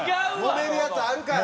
もめるやつあるから。